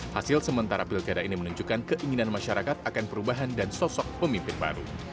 hasil sementara pilkada ini menunjukkan keinginan masyarakat akan perubahan dan sosok pemimpin baru